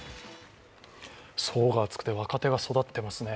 層が厚くて若手が育っていますね。